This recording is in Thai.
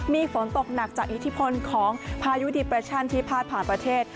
มีฝนตกหนักจากอิทธิพลของพายุดิเปรชั่นที่พาดผ่านประเทศ